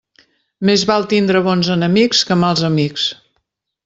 Més val tindre bons enemics que mals amics.